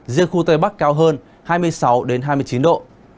riêng khu tây bắc cao hơn hai mươi sáu hai mươi chín độ